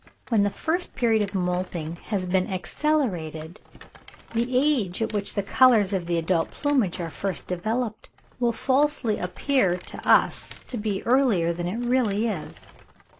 When the period of moulting has been accelerated, the age at which the colours of the adult plumage are first developed will falsely appear to us to be earlier than it really is.